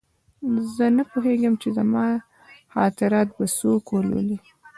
زه نه پوهېږم چې زما خاطرات به څوک ولولي